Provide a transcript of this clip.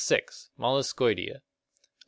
Molluscoidea (Lat.